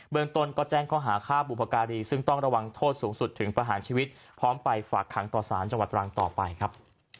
เมืองต้นก็แจ้งข้อหาฆ่าบุพการีซึ่งต้องระวังโทษสูงสุดถึงประหารชีวิตพร้อมไปฝากขังต่อสารจังหวัดตรังต่อไปครับ